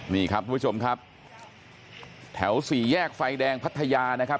นี่ครับทุกผู้ชมครับแถวสี่แยกไฟแดงพัทยานะครับ